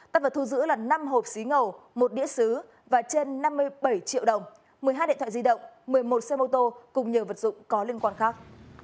tăng vật thu giữ là năm hộp xí ngầu một đĩa xứ và trên năm mươi bảy triệu đồng một mươi hai điện thoại di động một mươi một xe mô tô cùng nhiều vật dụng có liên quan khác